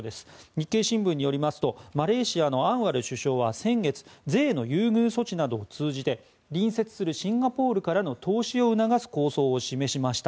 日経新聞によりますとマレーシアのアンワル首相は先月、税の優遇措置などを通じて隣接するシンガポールからの投資を促す構想を示しました。